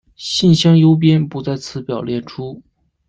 信箱邮编不在此表列出。